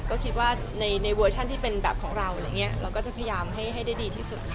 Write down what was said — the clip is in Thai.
ก็คิดว่าในเวอร์ชั่นที่เป็นแบบของเราอะไรอย่างนี้เราก็จะพยายามให้ได้ดีที่สุดค่ะ